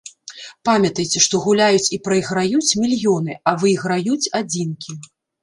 Памятайце, што гуляюць і прайграюць мільёны, а выйграюць адзінкі.